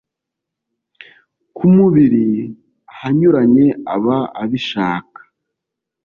ku mubiri ahanyuranye aba abishaka